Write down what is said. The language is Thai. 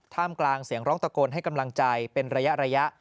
มกลางเสียงร้องตะโกนให้กำลังใจเป็นระยะ